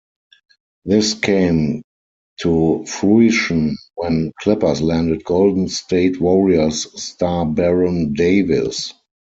This came to fruition when Clippers landed Golden State Warriors star Baron Davis.